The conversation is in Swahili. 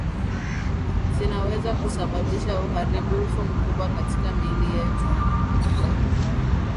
Zinaweza kusababisha uharibifu mkubwa katika miili yetu